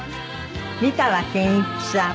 美川憲一さん